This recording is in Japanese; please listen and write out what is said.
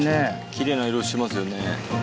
奇麗な色してますよね。